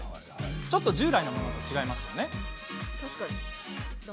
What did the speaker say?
ちょっと従来のものとは違いますよね？